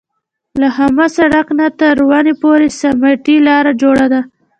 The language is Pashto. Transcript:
له خامه سړک نه تر ونې پورې سمټي لاره جوړه ده.